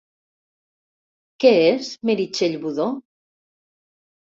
Què és Meritxell Budó?